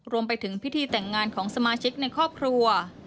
รวมไปถึงพิธีแต่งงานของสมาชิกในครอบครัว